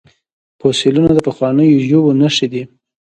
فوسیلیونه د پخوانیو ژویو نښې دي